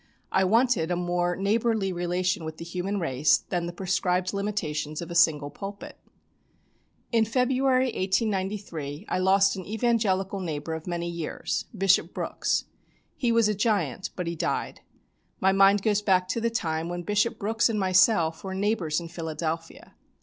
I wanted a more neighbourly relation with the human race than the prescribed limitations of a single pulpit. In February, 1893, I lost an evangelical neighbour of many years Bishop Brooks. He was a giant, but he died. My mind goes back to the time when Bishop Brooks and myself were neighbours in Philadelphia.